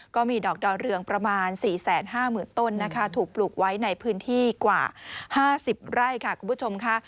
ก็มีดอกดาวเรืองประมาณ๔๕๐๐๐ต้นนะคะถูกปลูกไว้ในพื้นที่กว่า๕๐ไร่ค่ะคุณผู้ชมค่ะ